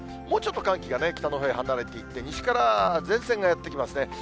もうちょっと寒気が北のほうへ離れていって、西から前線がやって来ますね。